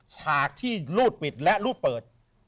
ฉากที่รูดปิดและรูดเปิด